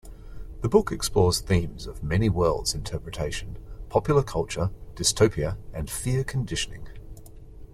The book explores themes of Many-worlds interpretation, Popular culture, Dystopia and Fear conditioning.